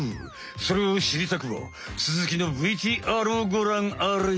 それをしりたくばつづきのＶＴＲをごらんあれ。